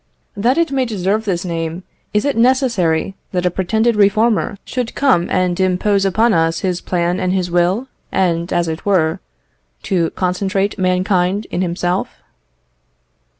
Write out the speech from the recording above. That it may deserve this name, is it necessary that a pretended reformer should come and impose upon us his plan and his will, and, as it were, to concentrate mankind in himself?